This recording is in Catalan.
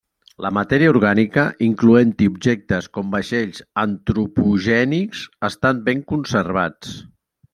La matèria orgànica, incloent-hi objectes com vaixells antropogènics, estan ben conservats.